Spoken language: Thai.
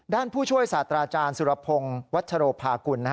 ผู้ช่วยศาสตราอาจารย์สุรพงศ์วัชโรภากุล